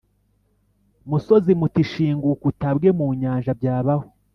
musozi muti Shinguka utabwe mu nyanja byabaho